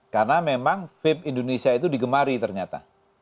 karena memang vape indonesia itu digemari ternyata